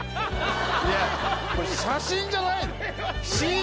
いやこれ写真じゃないの？